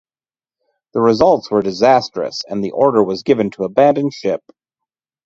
The results were disastrous and the order was given to abandon ship.